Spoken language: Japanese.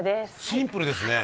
「シンプルですね」